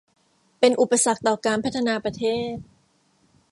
เป็นอุปสรรคต่อการพัฒนาประเทศ